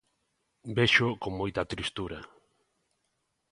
Véxoo con moita tristura.